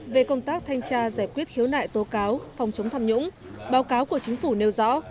về công tác thanh tra giải quyết khiếu nại tố cáo phòng chống tham nhũng báo cáo của chính phủ nêu rõ